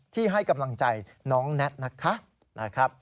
ให้กำลังใจน้องแน็ตนะคะ